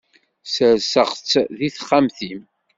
Serseɣ-tt deg texxamt-im.